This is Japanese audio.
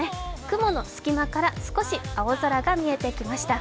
雲の隙間から少し青空が見えてきました。